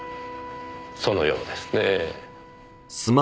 そのようですねえ。